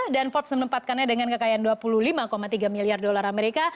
dan forbes menempatkannya dengan kekayaan dua puluh lima tiga miliar dolar amerika